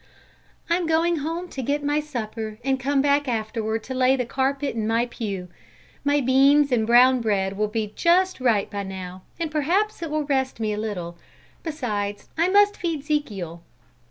"I'm going home to get my supper, and come back afterward to lay the carpet in my pew; my beans and brown bread will be just right by now, and perhaps it will rest me a little; besides, I must feed 'Zekiel."